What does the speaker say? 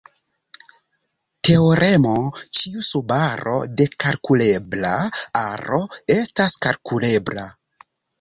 Teoremo: Ĉiu subaro de kalkulebla aro estas kalkulebla.